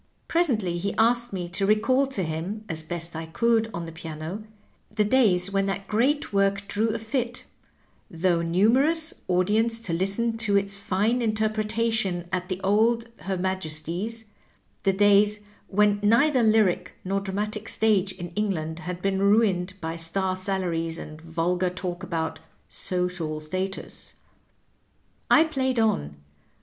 Presently he asked me to recall to him, as best I could on the piano, the days when that great work drew a fit, though numerous, audience to listen to its fine interpretation at the old Her Majesty's — ^the days when neither lyric nor dramatic stage in England had been ruined by star salaries and vulgar talk about "social status." I played on.